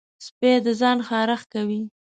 سپي د ځان خارش کوي.